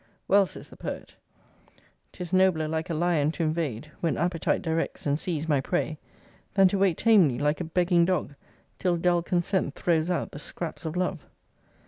Well, says the Poet, 'Tis nobler like a lion to invade When appetite directs, and seize my prey, Than to wait tamely, like a begging dog, Till dull consent throws out the scraps of love.